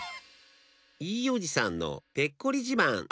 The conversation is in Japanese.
いいおじさんのペッコリじまん。